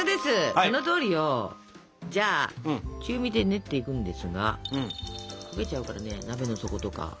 そのとおりよ！じゃあ中火で練っていくんですが焦げちゃうからね鍋の底とか。